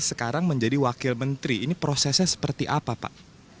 sekarang menjadi wakil menteri ini prosesnya seperti apa pak